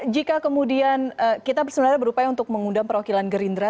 jika kemudian kita sebenarnya berupaya untuk mengundang perwakilan gerindra